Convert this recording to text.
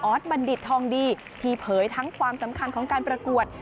สบัณฑิตทองดีที่เผยทั้งความสำคัญของการประกวด